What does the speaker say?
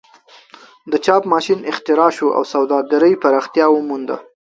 د چاپ ماشین اختراع شو او سوداګري پراختیا ومونده.